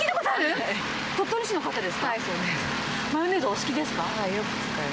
マヨネーズはお好きですか？